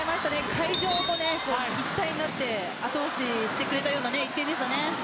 会場も一体になって後押ししてくれたような１点でした。